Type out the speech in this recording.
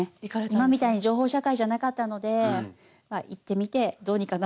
今みたいに情報社会じゃなかったのでまあ行ってみてどうにかなるかなっていう。